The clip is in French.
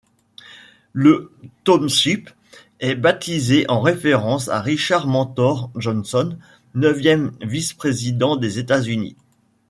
Le township est baptisé en référence à Richard Mentor Johnson, neuvième vice-président des États-Unis..